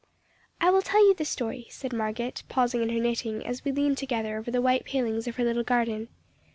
"I will tell you the story," said Margotte, pausing in her knitting, as we leaned together over the white palings of her little garden.